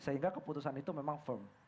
sehingga keputusan itu memang firm